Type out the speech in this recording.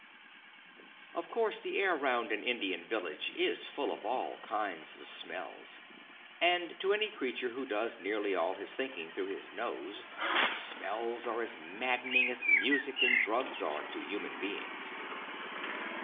Of course the air round an Indian village is full of all kinds of smells, and to any creature who does nearly all his thinking through his nose, smells are as maddening as music and drugs are to human beings.